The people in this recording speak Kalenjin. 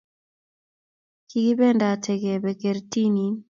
Kigibendate kebe kertinin